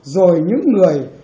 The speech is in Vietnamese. rồi những người